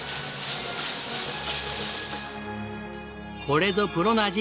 これぞプロの味！